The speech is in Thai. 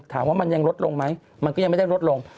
ถามว่ามันยังลดลงไหมมันก็ยังไม่ได้ลดลง